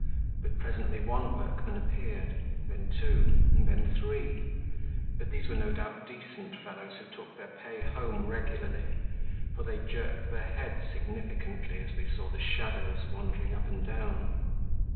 But presently one workman appeared, then two, and then three, but these were no doubt decent fellows who took their pay home regularly, for they jerked their heads significantly as they saw the shadows wandering up and down.